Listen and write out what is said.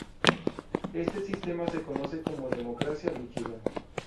Este sistema se conoce como democracia líquida.